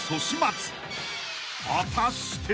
［果たして］